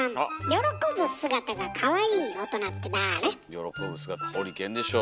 喜ぶ姿ホリケンでしょ。